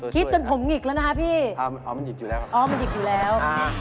คิดจนผมหงิกแล้วนะฮะพี่อ๋อมันหงิกอยู่แล้ว